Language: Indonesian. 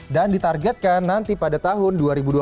dan ditargetkan nanti pada tahun dua ribu dua puluh lima